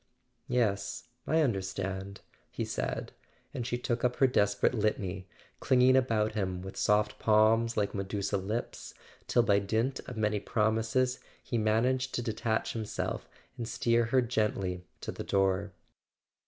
"Yes, I understand," he said; and she took up her desperate litany, clinging about him with soft palms like medusa lips, till by dint of many promises he man¬ aged to detach himself and steer her gently to the door.